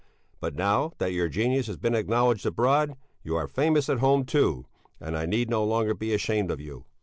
But now that your genius has been acknowledged abroad, you are famous at home too, and I need no longer be ashamed of you.